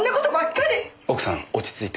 奥さん落ち着いて。